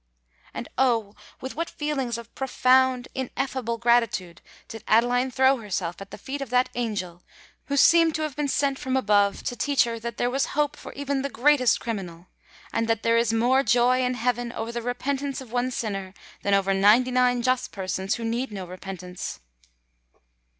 And, oh! with what feelings of profound—ineffable gratitude did Adeline throw herself at the feet of that angel who seemed to have been sent from above to teach her that there was hope for even the greatest criminal, and that "_there is more joy in heaven over the repentance of one sinner than over ninety nine just persons who need no repentance!